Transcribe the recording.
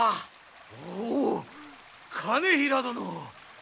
おお兼平殿！